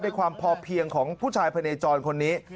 ความพอเพียงของผู้ชายพะเนจรคนนี้